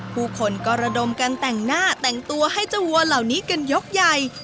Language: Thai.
ผู้คนก็ระดมกันแต่งหน้าแต่งตัวให้เจ้าวัวเหล่านี้กันยกใหญ่